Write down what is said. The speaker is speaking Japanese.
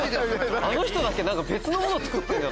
あの人だけ別のもの作ってる。